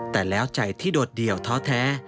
แต่แล้วใจที่โดดเดี่ยวท้อแท้